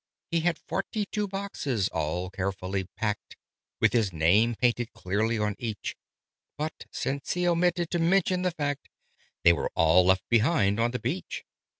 He had forty two boxes, all carefully packed, With his name painted clearly on each: But, since he omitted to mention the fact, They were all left behind on the beach.